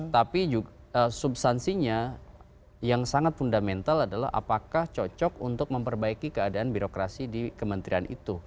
tapi substansinya yang sangat fundamental adalah apakah cocok untuk memperbaiki keadaan birokrasi di kementerian itu